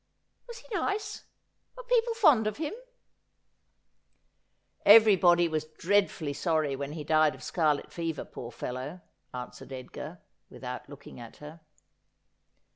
' Was he nice ? Were people fond of him ?'' Everybody was dreadfully sorry when he died of scarlet fever, poor fellow !' answered Edgar, wir.hout looking at her.